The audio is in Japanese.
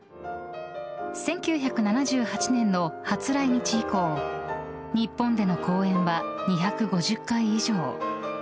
１９７８年の初来日以降日本での公演は２５０回以上。